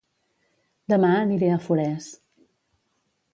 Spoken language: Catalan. Dema aniré a Forès